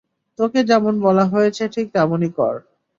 তোকে যেমন বলা হয়েছে ঠিক তেমনই কর।